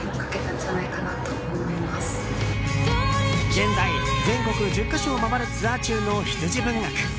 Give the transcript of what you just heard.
現在、全国１０か所を回るツアー中の羊文学。